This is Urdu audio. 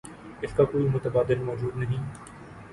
اس کا کوئی متبادل موجود نہیں۔